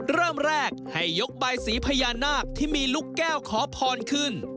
เริ่มแรกให้ยกใบสีพญานาคที่มีลูกแก้วขอพรขึ้น